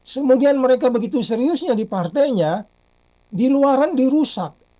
kemudian mereka begitu seriusnya di partainya di luaran dirusak